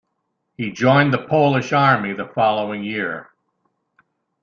He joined Polish Army the following year.